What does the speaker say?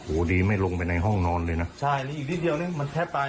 โอ้ดีไม่ลงไปในห้องนอนเลยนะใช่อันนี้อีกทีเดียวเนี้ยมันแค่ตาย